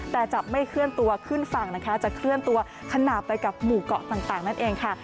แต่จะไม่เคลื่อนตัวขึ้นฝั่งนะคะจะเคลื่อนตัวขนาดไปกับหมู่เกาะต่างนั่นเองค่ะ